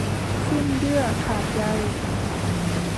สิ้นเยื่อขาดใย